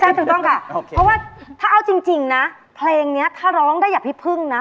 ใช่จริงครับเพราะว่าถ้าเอาจริงนะเพลงเนี่ยถ้าร้องได้อย่าพิพึ่งนะ